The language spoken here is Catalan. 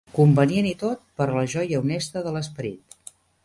Convenient i tot per a la joia honesta de l'esperit.